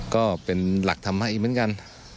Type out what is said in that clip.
ก็เป็นหลักธรรมะอีกเหมือนกัน